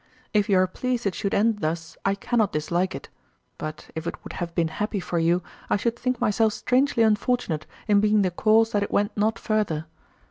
If you are pleased it should end thus, I cannot dislike it; but if it would have been happy for you, I should think myself strangely unfortunate in being the cause that it went not further.